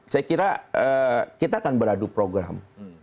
saya kira kita akan beradu program